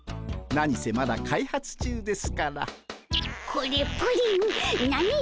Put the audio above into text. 何せまだ開発中ですから。